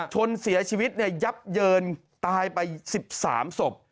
ชนเสียชีวิตยับเยินตายไป๑๓ศพ